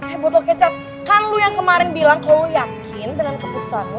eh butuh kecap kan lo yang kemarin bilang kalau lo yakin dengan keputusan lo